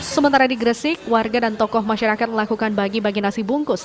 sementara di gresik warga dan tokoh masyarakat melakukan bagi bagi nasi bungkus